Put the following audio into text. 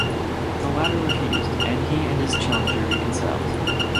The latter refused and he and his challenger reconciled.